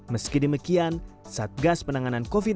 meski demikian satgas penanganan indonesia